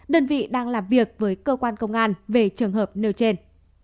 đơn vị đang làm việc với cơ quan công an về trường hợp nêu trên